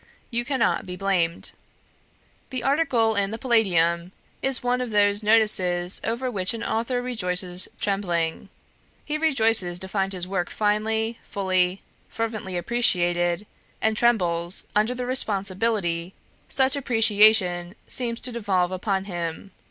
You cannot be blamed. "The article in the Palladium is one of those notices over which an author rejoices trembling. He rejoices to find his work finely, fully, fervently appreciated, and trembles under the responsibility such appreciation seems to devolve upon him.